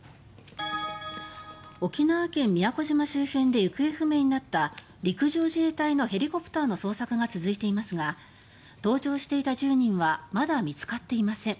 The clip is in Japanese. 沖縄県・宮古島周辺で行方不明になった陸上自衛隊のヘリコプターの捜索が続いていますが搭乗していた１０人はまだ見つかっていません。